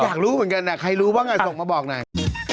อยากรู้เหมือนกันใครรู้บ้างไงส่งมาบอกหน่อย